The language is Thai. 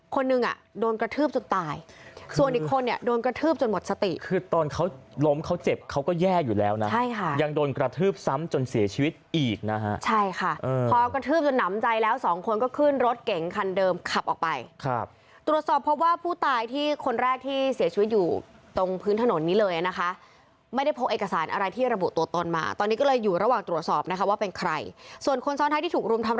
คนนึงอ่ะโดนกระทืบจนตายส่วนอีกคนเนี่ยโดนกระทืบจนหมดสติคือตอนเขาล้มเขาเจ็บเขาก็แย่อยู่แล้วนะใช่ค่ะยังโดนกระทืบซ้ำจนเสียชีวิตอีกนะฮะใช่ค่ะพอกระทืบจนหนำใจแล้วสองคนก็ขึ้นรถเก่งคันเดิมขับออกไปครับตรวจสอบเพราะว่าผู้ตายที่คนแรกที่เสียชีวิตอยู่ตรงพื้นถนนนี้เลยนะคะไม่ได้พบเอกสารอะไรท